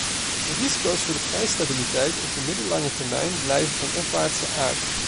De risico's voor de prijsstabiliteit op de middellange termijn blijven van opwaartse aard.